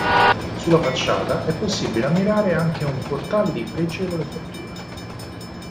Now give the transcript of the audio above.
Sulla facciata è possibile ammirare anche un portale di pregevole fattura.